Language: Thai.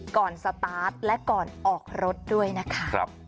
สตาร์ทและก่อนออกรถด้วยนะคะ